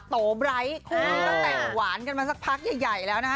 โตไบร์ทคู่นี้ก็แต่งหวานกันมาสักพักใหญ่แล้วนะฮะ